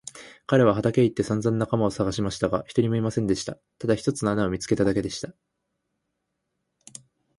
彼は畑へ行ってさんざん仲間をさがしましたが、一人もいませんでした。ただ一つの穴を見つけただけでした。